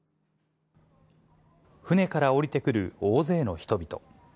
船から降りてくる大勢の人々。